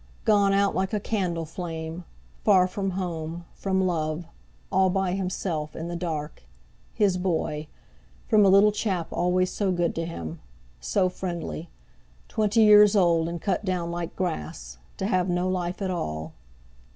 Gone out like a candle flame; far from home, from love, all by himself, in the dark! His boy! From a little chap always so good to him—so friendly! Twenty years old, and cut down like grass—to have no life at all!